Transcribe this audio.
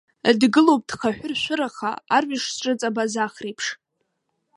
Дгылоуп дхаҳәыршәыраха, арҩаш зҿыҵабаз ахреиԥш.